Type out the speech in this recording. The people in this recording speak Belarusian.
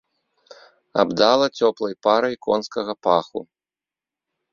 Абдала цёплай парай конскага паху.